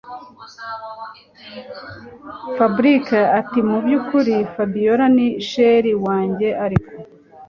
Fabric atimubyukuri Fabiora ni sheri wajye ariko